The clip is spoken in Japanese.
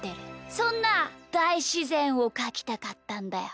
そんなだいしぜんをかきたかったんだよ。